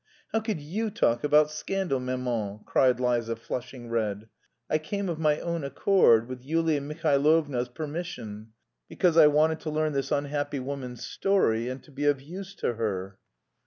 "How could you talk about scandal, maman?" cried Liza, flushing red. "I came of my own accord with Yulia Mihailovna's permission, because I wanted to learn this unhappy woman's story and to be of use to her."